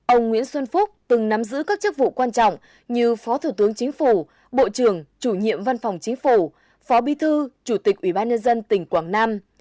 ông nguyễn xuân phúc từng nắm giữ các chức vụ quan trọng như phó thủ tướng chính phủ bộ trưởng chủ nhiệm văn phòng chính phủ phó bi thư chủ tịch ủy ban nhân dân tỉnh quảng nam